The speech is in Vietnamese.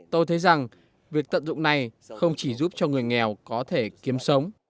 tôi thấy rằng việc tận dụng này không chỉ giúp cho người nghèo có thể kiếm sống